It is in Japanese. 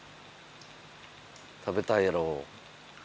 食べたいやろ。